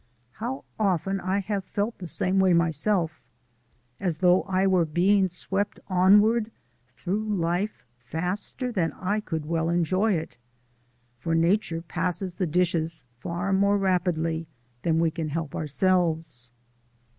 How often I have felt the same way myself as though I were being swept onward through life faster than I could well enjoy it. For nature passes the dishes far more rapidly than we can help ourselves.